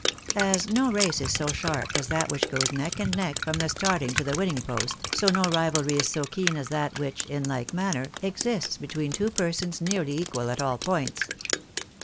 As no race is so sharp as that which goes neck and neck from the starting to the winning post, so no rivalry is so keen as that which, in like manner, exists between two persons nearly equal at all points..